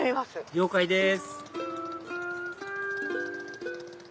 了解です